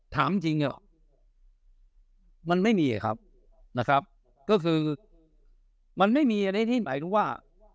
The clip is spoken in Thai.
ถามจริงเหรอมันไม่มีครับนะครับก็คือมันไม่มีอันนี้ที่หมายถึงว่า